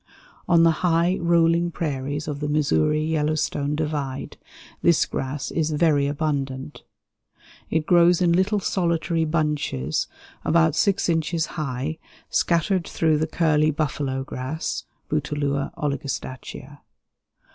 On the high, rolling prairies of the Missouri Yellowstone divide this grass is very abundant. It grows in little solitary bunches, about 6 inches high, scattered through the curly buffalo grass (Bouteloua oligostachya).